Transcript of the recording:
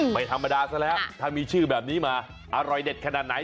ไม่ธรรมดาซะแล้วถ้ามีชื่อแบบนี้มาอร่อยเด็ดขนาดไหน